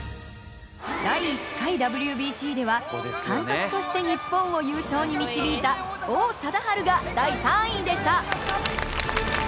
第１回ＷＢＣでは監督として日本を優勝に導いた王貞治が第３位でした。